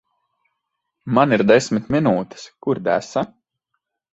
Man ir desmit minūtes. Kur desa?